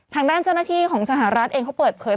ทางด้านเจ้าหน้าที่ของสหรัฐเองเขาเปิดเผย